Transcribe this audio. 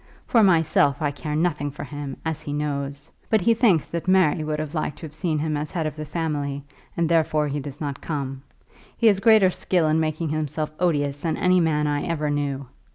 For myself, I care nothing for him, as he knows. But he thinks that Mary would have liked to have seen him as the head of the family, and therefore he does not come. He has greater skill in making himself odious than any man I ever knew.